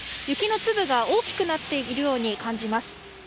雪の粒が大きくなっているように感じます。